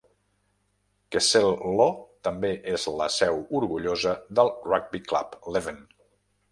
Kessel-Lo també és la seu orgullosa del Rugby Club Leuven.